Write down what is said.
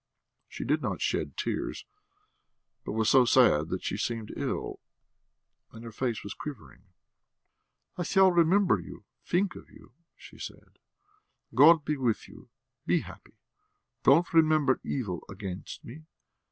She did not shed tears, but was so sad that she seemed ill, and her face was quivering. "I shall remember you ... think of you," she said. "God be with you; be happy. Don't remember evil against me.